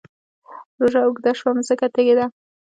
روژه اوږده شوه مځکه تږې ده